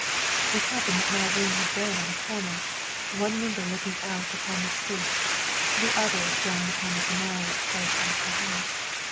It happened that my room had been on a corner, one window looking out upon the street, the other down on to the canal which flowed past the house.